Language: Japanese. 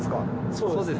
そうです。